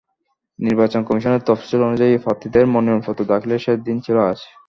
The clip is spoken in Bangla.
নির্বাচন কমিশনের তফসিল অনুযায়ী, প্রার্থীদের মনোনয়নপত্র দাখিলের শেষ দিন ছিল আজ।